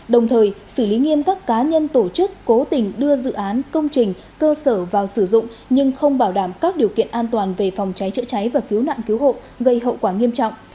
đồng thời xử lý nghiêm các cá nhân tổ chức cố tình đưa dự án công trình cơ sở vào sử dụng nhưng không bảo đảm các điều kiện an toàn về phòng cháy chữa cháy và cứu nạn cứu hộ gây hậu quả nghiêm trọng